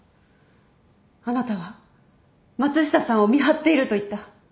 あなたは松下さんを見張っていると言った。